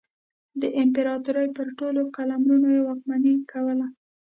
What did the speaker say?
د امپراتورۍ پر ټولو قلمرونو یې واکمني کوله.